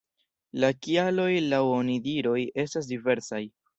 La kialoj laŭ onidiroj estas diversaj.